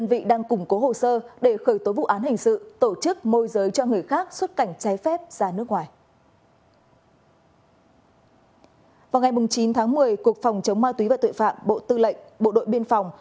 vào ngày chín tháng một mươi cục phòng chống ma túy và tội phạm bộ tư lệnh bộ đội biên phòng